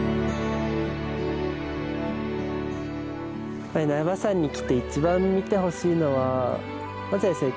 やっぱり苗場山に来て一番見てほしいのはまずですね